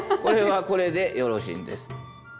これはこれでよろしいんです。